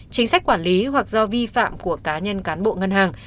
chính sách quản lý hoặc do vi phạm của cá nhân cán bộ ngân hàng